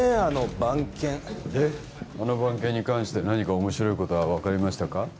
あの番犬であの番犬に関して何か面白いことは分かりましたか？